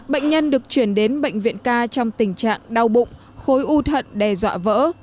bệnh nhân được chuyển đến bệnh viện ca trong tình trạng đau bụng khối u thận đe dọa vỡ